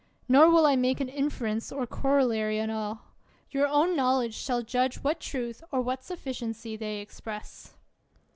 Nor will I make an inference or corollary on all. Your own knowledge shall judge what truth, or what sufficiency they express.